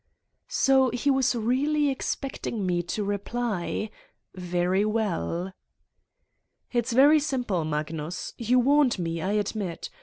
" So he was really expecting me to reply? Very well. "It's very simple, Magnus ... you warned me, I admit.